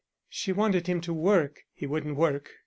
She wanted him to work; he wouldn't work.